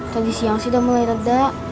tadi siang sih udah mulai reda